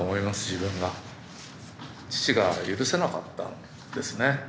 父が許せなかったんですね。